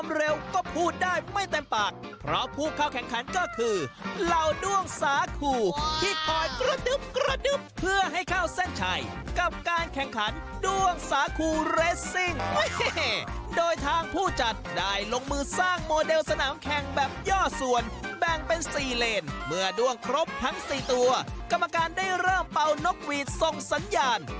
อย่าลืมว่าไหลแพ้ลงรัฐาแล้วเว้ยไปดูการแข่งขันสุดแปลกแวลงรัฐาแล้วเว้ยไปดูการแข่งขันสุดแปลงรัฐาแล้วเว้ยไปดูการแข่งขันสุดแปลงรัฐาแล้วเว้ยไปดูการแข่งขันสุดแปลงรัฐาแล้วเว้ยไปดูการแข่งขันสุดแปลงรัฐาแล้วเว้ยไปดูการแข่งขันสุดแปลงรัฐาแล้ว